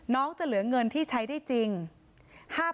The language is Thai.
น้องจะเหลืองเงินที่ใช้ได้จริง๕๐๖๔บาท